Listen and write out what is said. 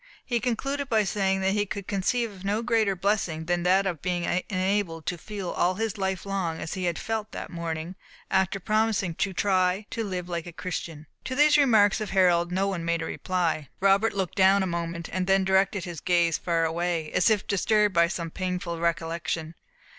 He concluded by saying that he could conceive of no greater blessing than that of being enabled to feel all his life long as he felt that morning, after promising to try to live like a Christian. To these remarks of Harold no one made reply. Robert looked down a moment, then directed his gaze far away, as if disturbed by some painful recollection.